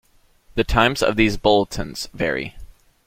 The times of these bulletins vary.